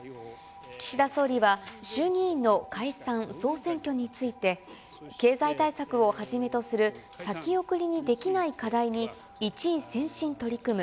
岸田総理は衆議院の解散・総選挙について、経済対策をはじめとする先送りにできない課題に、一意専心取り組む。